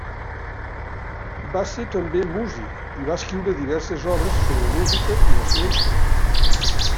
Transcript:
Va ser també músic i va escriure diverses obres sobre música i la seva història.